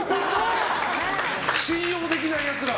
信用できないやつら。